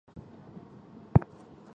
后来李自成封朱慈烺为宋王。